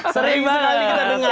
sering sekali kita dengar